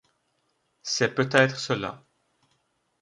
C’est peut-être cela.